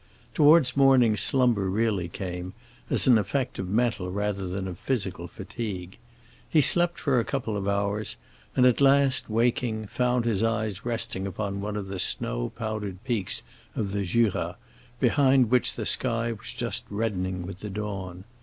Toward morning slumber really came, as an effect of mental rather than of physical fatigue. He slept for a couple of hours, and at last, waking, found his eyes resting upon one of the snow powdered peaks of the Jura, behind which the sky was just reddening with the dawn.